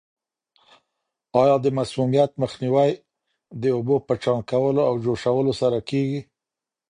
آیا د مسمومیت مخنیوی د اوبو په چاڼ کولو او جوشولو سره کیږي؟